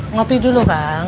kopi dulu bang